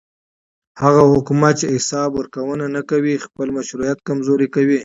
هغه حکومت چې حساب ورکوونه نه کوي خپل مشروعیت کمزوری کوي